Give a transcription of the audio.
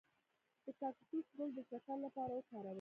د کاکتوس ګل د شکر لپاره وکاروئ